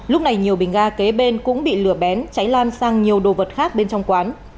lúc này nhiều bình ga kế bên cũng bị lửa bén cháy lan sang nhiều đồ vật khác bên trong quán